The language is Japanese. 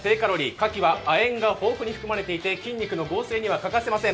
かきは亜鉛が豊富に含まれていて、筋肉の合成には欠かせません。